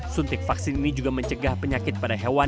suntik vaksin ini juga mencegah penyakit pada hewan